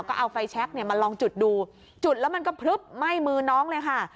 ก็เอาไฟแชคเนี่ยมาลองจุดดูจุดแล้วมันก็พลึบไหม้มือน้องเลยค่ะ